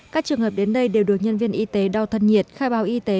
các trường hợp đến đây đều được nhân viên y tế đau thân nhiệt khai bào y tế